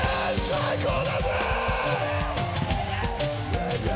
最高だぜ！